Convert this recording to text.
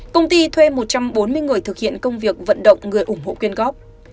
công ty thuê một trăm bốn mươi người thực hiện công việc vận động người ủng hộ quyên góp